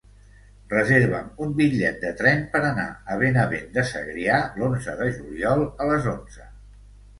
Reserva'm un bitllet de tren per anar a Benavent de Segrià l'onze de juliol a les onze.